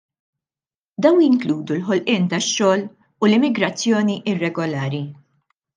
Dawn jinkludu l-ħolqien tax-xogħol u l-immigrazzjoni irregolari.